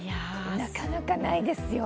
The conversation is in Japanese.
なかなかないですよ。